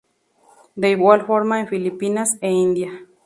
De igual forma en Filipinas e India.